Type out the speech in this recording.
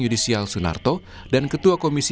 yudisial sunarto dan ketua komisi